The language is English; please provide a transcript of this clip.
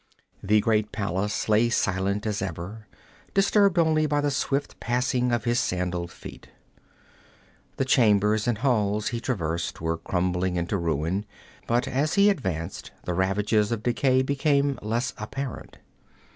The great palace lay silent as ever, disturbed only by the swift passing of his sandaled feet. The chambers and halls he traversed were crumbling into ruin, but as he advanced the ravages of decay became less apparent.